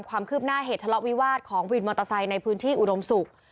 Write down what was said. ความคืบหน้าเหตุทะเลาะวิวาสของวินมอเตอร์ไซค์ในพื้นที่อุดมศุกร์